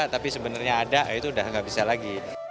tapi sebenarnya ada itu udah nggak bisa lagi